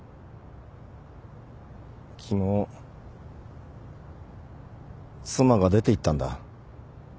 昨日妻が出ていったんだ。